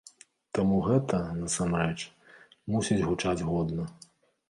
Таму гэта, насамрэч, мусіць гучаць годна.